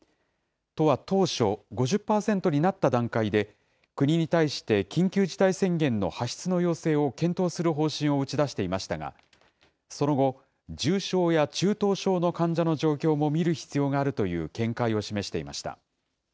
都は当初、５０％になった段階で、国に対して緊急事態宣言の発出の要請を検討する方針を打ち出していましたが、その後、重症や中等症の患者の状況も見る必要があるという見解を示していました。